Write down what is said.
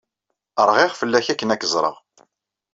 Rɣiɣ fell-ak akken ad k-ẓreɣ.